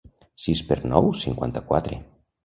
Sis per nou cinquanta-quatre.